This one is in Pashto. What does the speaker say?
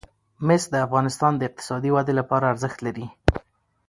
مس د افغانستان د اقتصادي ودې لپاره ارزښت لري.